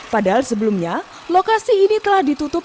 padahal sebelumnya lokasi ini telah ditutup